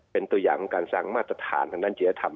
เป็นตัวอย่างของการสร้างมาตรฐานทางด้านเจียธรรม